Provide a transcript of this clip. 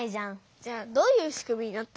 じゃあどういうしくみになってんの？